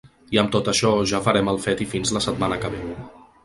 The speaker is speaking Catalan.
I amb tot això ja farem el fet i fins la setmana que ve.